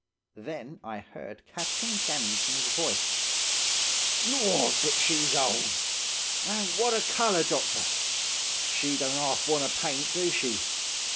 Then I heard Captain Gannington's voice: "'Lord, but she s old! An' what a colour, doctor! She don't half want paint, do she?